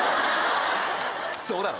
そうだろ？